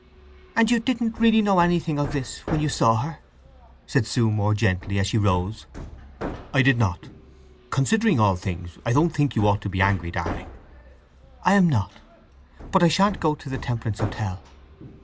"And you didn't really know anything of this when you saw her?" said Sue more gently, as she rose. "I did not. Considering all things, I don't think you ought to be angry, darling!" "I am not. But I shan't go to the Temperance Hotel!"